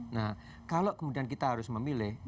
nah kalau kemudian kita harus memilih